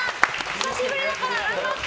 久しぶりだから頑張って！